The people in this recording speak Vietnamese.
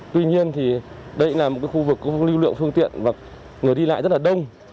tuy nhiên thì đây cũng là một khu vực có lưu lượng phương tiện và người đi lại rất là đông